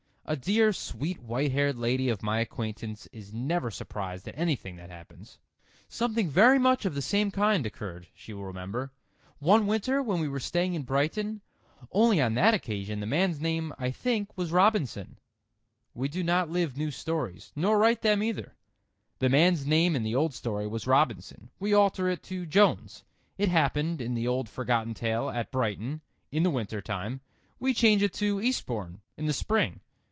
A dear, sweet white haired lady of my acquaintance is never surprised at anything that happens. "Something very much of the same kind occurred," she will remember, "one winter when we were staying in Brighton. Only on that occasion the man's name, I think, was Robinson." We do not live new stories—nor write them either. The man's name in the old story was Robinson, we alter it to Jones. It happened, in the old forgotten tale, at Brighton, in the winter time; we change it to Eastbourne, in the spring.